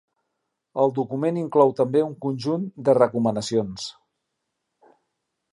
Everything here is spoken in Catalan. El document inclou també un conjunt de recomanacions.